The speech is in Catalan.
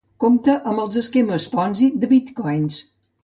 Compte amb els esquemes Ponzi de bitcoins.